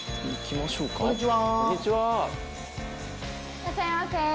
いらっしゃいませ。